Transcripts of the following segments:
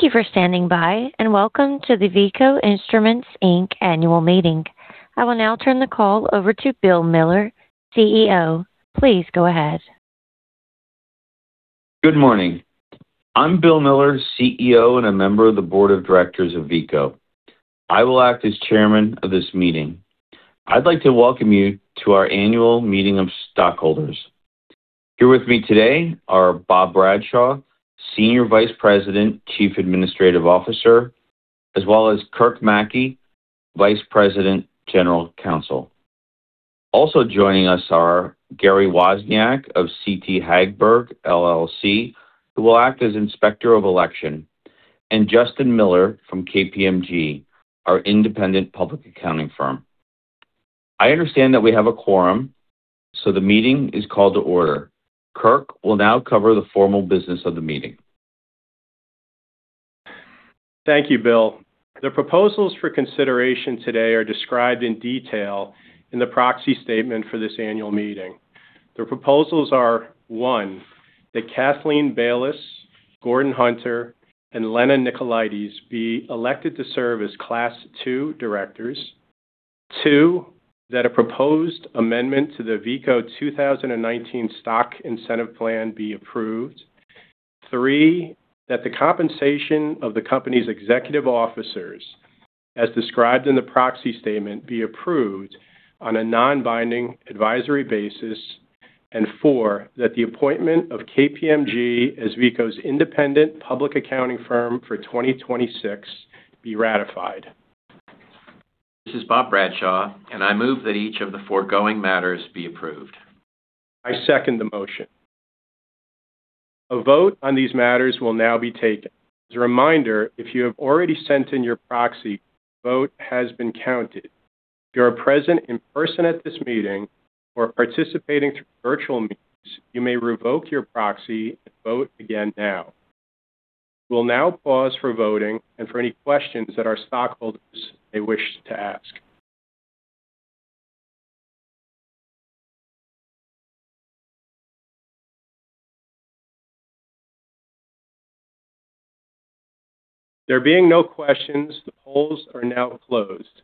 Thank you for standing by, welcome to the Veeco Instruments Inc. annual meeting. I will now turn the call over to Bill Miller, CEO. Please go ahead. Good morning. I'm Bill Miller, CEO, and a Member of the Board of Directors of Veeco. I will act as Chairman of this meeting. I'd like to welcome you to our Annual Meeting of Stockholders. Here with me today are Bob Bradshaw, Senior Vice President, Chief Administrative Officer, as well as Kirk Mackey, Vice President, General Counsel. Also joining us are Gary Wozniak of CT Hagberg LLC, who will act as Inspector of Election, and Justin Miller from KPMG, our independent public accounting firm. I understand that we have a quorum. The meeting is called to order. Kirk will now cover the formal business of the meeting. Thank you, Bill. The proposals for consideration today are described in detail in the proxy statement for this Annual Meeting. The proposals are, one, that Kathleen Bayless, Gordon Hunter, and Lena Nicolaides be elected to serve as Class II Directors. Two, that a proposed amendment to the Veeco Instruments Inc. 2019 Stock Incentive Plan be approved. Three, that the compensation of the company's executive officers as described in the proxy statement be approved on a non-binding advisory basis. Four, that the appointment of KPMG as Veeco's independent public accounting firm for 2026 be ratified. This is Bob Bradshaw, and I move that each of the foregoing matters be approved. I second the motion. A vote on these matters will now be taken. As a reminder, if you have already sent in your proxy, vote has been counted. If you are present in person at this meeting or participating through virtual means, you may revoke your proxy and vote again now. We'll now pause for voting and for any questions that our stockholders may wish to ask. There being no questions, the polls are now closed.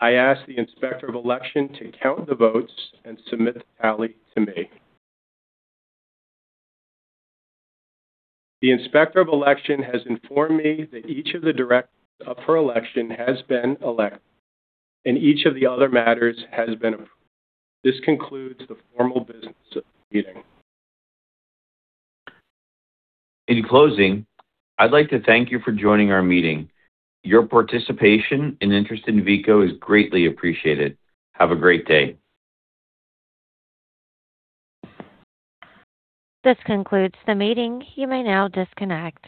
I ask the Inspector of Election to count the votes and submit the tally to me. The Inspector of Election has informed me that each of the Directors up for election has been elected, and each of the other matters has been approved. This concludes the formal business of the meeting. In closing, I'd like to thank you for joining our meeting. Your participation and interest in Veeco is greatly appreciated. Have a great day. This concludes the meeting. You may now disconnect.